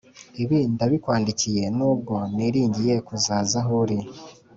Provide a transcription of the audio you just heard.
Ibi ndabikwandikiye nubwo niringiye kuzaza aho uri.